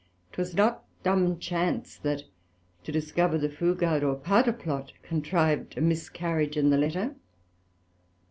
'Twas not dumb chance, that to discover the Fougade or Powder plot, contrived a miscarriage in the Letter.